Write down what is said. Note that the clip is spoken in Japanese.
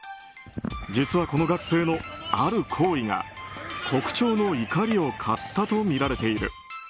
実は、この学生のある行為がコクチョウの怒りを買ったとみられている。